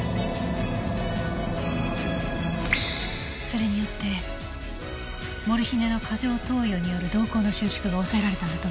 それによってモルヒネの過剰投与による瞳孔の収縮が抑えられたんだと思います。